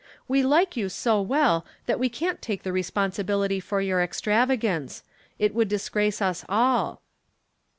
"We like you so well that we can't take the responsibility for your extravagance. It would disgrace us all."